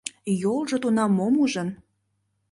Йолжо тунам мом ужын?